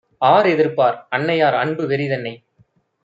ஆர்எதிர்ப்பார் அன்னையார் அன்பு வெறிதன்னை!